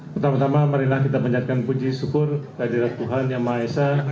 pertama tama marilah kita menyiapkan puji syukur kehadirat tuhan yang maha esa